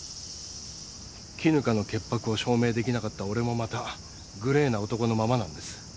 絹香の潔白を証明出来なかった俺もまたグレーな男のままなんです。